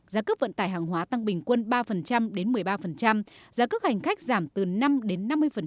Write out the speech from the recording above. giá cước vận tải hàng hóa tăng bình quân ba đến một mươi ba giá cước hành khách giảm từ năm đến năm mươi